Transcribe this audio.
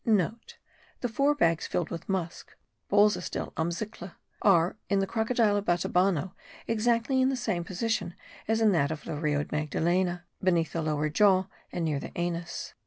*(* The four bags filled with musk (bolzas del almizcle) are, in the crocodile of Batabano, exactly in the same position as in that of the Rio Magdalena, beneath the lower jaw and near the anus.